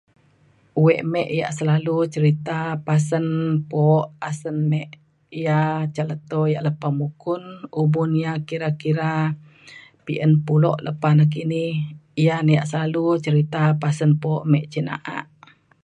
wek me ia' selalu cerita pasen po asen me ia' ca leto ia' lepa mukun umun ia' kira kira pi'en pulo lepa nakini ia' na ia' selalu cerita pasen po me cin na'a